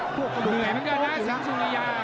เหนื่อยมากนะสิงสุริยา